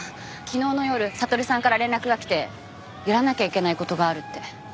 昨日の夜悟さんから連絡がきてやらなきゃいけない事があるって。